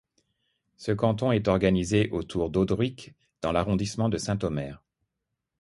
Ce canton est organisé autour d'Audruicq dans l'arrondissement de Saint-Omer.